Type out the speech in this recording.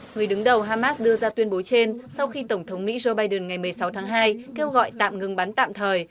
người đứng đầu hamas đưa ra tuyên bố trên sau khi tổng thống mỹ joe biden ngày một mươi sáu tháng hai kêu gọi tạm ngưng bắn tạm thời